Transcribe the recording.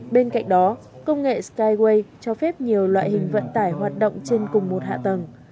bên cạnh đó công nghệ skyways cho phép nhiều loại hình vận tải hoạt động trên cùng một hạ tầng